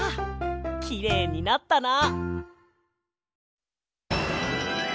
きれいになったな！